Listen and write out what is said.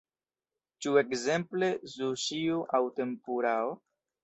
Ĉu ekzemple suŝio aŭ tempurao?